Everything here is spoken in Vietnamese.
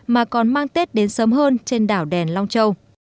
mà còn mang tết đến sớm hơn trên đảo đèn long châu